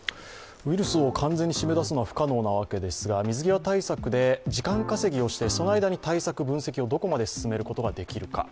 ウイルスを完全に締め出すのは不可能なわけですが水際対策で時間稼ぎをして、その間に対策、分析をどこまで進めることができるか。